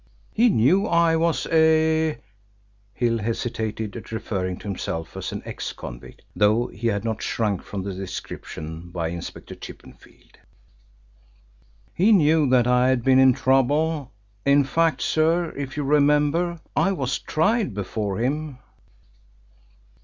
He knew I was a " Hill hesitated at referring to himself as an ex convict, though he had not shrunk from the description by Inspector Chippenfield. "He knew that I had been in trouble. In fact, sir, if you remember, I was tried before him."